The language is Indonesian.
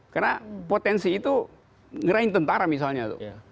karena potensi itu ngerahin tentara misalnya